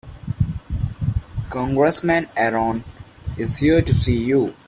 Congressman Aaron is here to see you.